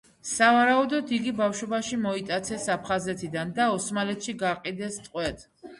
სავარაუდოდ იგი ბავშვობაში მოიტაცეს აფხაზეთიდან და ოსმალეთში გაყიდეს ტყვედ.